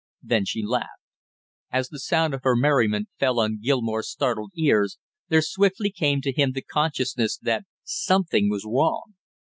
Then she laughed. As the sound of her merriment fell on Gilmore's startled ears, there swiftly came to him the consciousness that something was wrong.